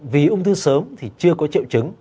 vì ung thư sớm thì chưa có triệu chứng